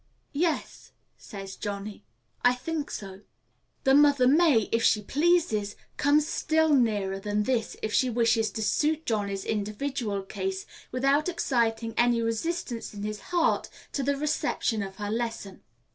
"Yes," says Johnny, "I think so." The mother may, if she pleases, come still nearer than this, if she wishes to suit Johnny's individual case, without exciting any resistance in his heart to the reception of her lesson.